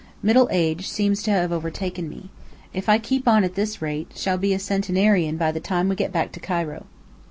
Middle age seems to have overtaken me. If I keep on at this rate, shall be a centenarian by the time we get back to Cairo.